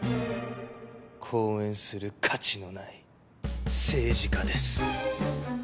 後援する価値のない政治家です。